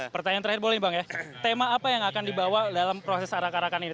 pertanyaan terakhir boleh bang ya tema apa yang akan dibawa dalam proses arak arakan ini